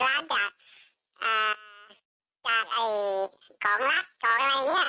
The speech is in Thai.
สมมุตินะสมมุติ๘ล้านแต่ว่าเขาก็คือเอ่อให้ราชา๑๐ล้านเหมือนเป็นปกติ